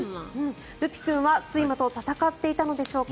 ルピ君は睡魔と闘っていたのでしょうか。